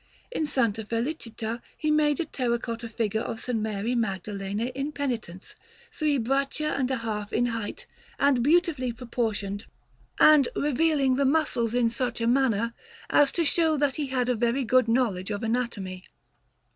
In S. Felicita he made a terra cotta figure of S. Mary Magdalene in Penitence, three braccia and a half in height and beautifully proportioned, and revealing the muscles in such a manner as to show that he had a very good knowledge of anatomy.